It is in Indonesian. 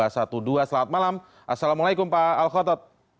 selamat malam assalamualaikum pak al khotot